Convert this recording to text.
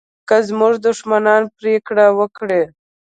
که زموږ دښمنان پرېکړه وکړي